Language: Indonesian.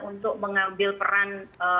untuk mengambil peran